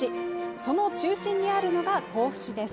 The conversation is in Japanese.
その中心にあるのが甲府市です。